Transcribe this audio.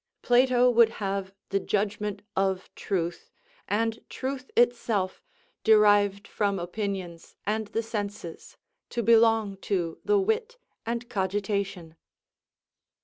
Plato would have the judgment of truth, and truth itself, derived from opinions and the senses, to belong to the wit and cogitation.